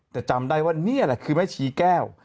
แต่จำได้ว่านี่แหละคือแม่ชีแก้ว